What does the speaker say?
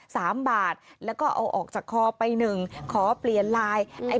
สามบาทแล้วก็เอาออกจากคอไปหนึ่งขอเปลี่ยนไลน์ไอ้